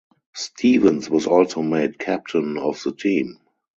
Stevens was also made captain of the team.